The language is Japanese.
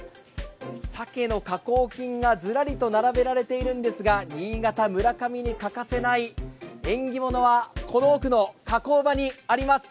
鮭の加工品がずらりと並べられているんですが、新潟・村上に欠かせない縁起物はこの奥の加工場にあります。